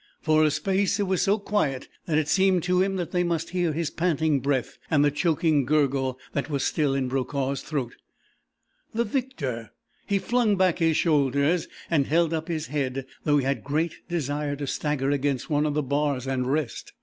For a space it was so quiet that it seemed to him they must hear his panting breath and the choking gurgle that was still in Brokaw's throat. The victor! He flung back his shoulders and held up his head, though he had great desire to stagger against one of the bars and rest.